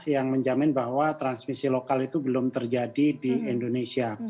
yang menjamin bahwa transmisi lokal itu belum terjadi di indonesia